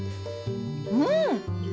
うん！